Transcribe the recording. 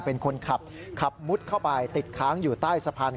เป็นคนขับขับมุดเข้าไปติดค้างอยู่ใต้สะพาน